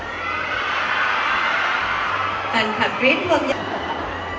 กันขับกริ๊ด